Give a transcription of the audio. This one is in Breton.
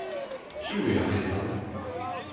Piv eo ar re-se ?